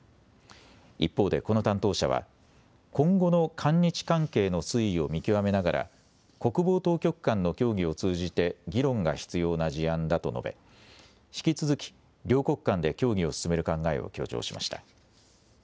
一方でこの担当者は今後の韓日関係の推移を見極めながら国防当局間の協議を通じて議論が必要な事案だと述べ、引き続き両国間で協議を進める考えを強調しました。